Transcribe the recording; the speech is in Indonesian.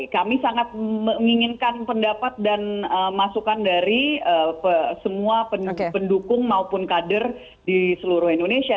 kami sangat menginginkan pendapat dan masukan dari semua pendukung maupun kader di seluruh indonesia